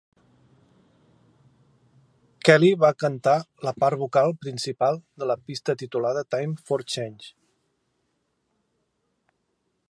Kelly va cantar la part vocal principal de la pista titulada "Time for Change".